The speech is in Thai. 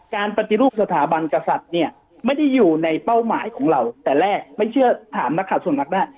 การปฏิรูปสถาบันกษัตริย์เนี่ยไม่ได้อยู่ในแสดงป้าวมาของเรา